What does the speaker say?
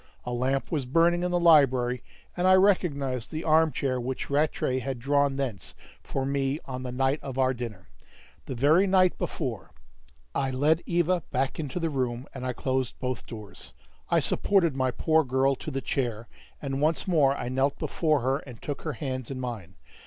A lamp was burning in the library, and I recognized the arm chair which Rattray had drawn thence for me on the night of our dinner the very night before! I led Eva back into the room, and I closed both doors. I supported my poor girl to the chair, and once more I knelt before her and took her hands in mine.